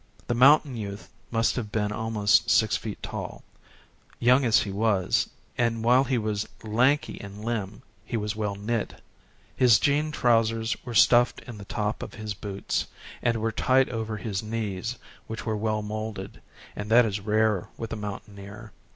The mountain youth must have been almost six feet tall, young as he was, and while he was lanky in limb he was well knit. His jean trousers were stuffed in the top of his boots and were tight over his knees which were well moulded, and that is rare with a mountaineer.